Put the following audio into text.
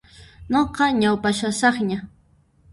Nuqa ñaupashasaqña.